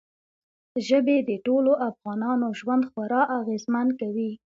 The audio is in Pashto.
ژبې د ټولو افغانانو ژوند خورا اغېزمن کوي.